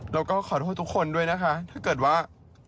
แล้วก็ขอโทษทุกคนด้วยนะคะถ้าเกิดว่า